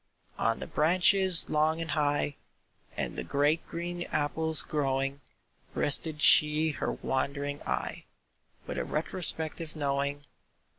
On the branches long and high, And the great green apples growing, Rested she her wandering eye, With a retrospective knowing.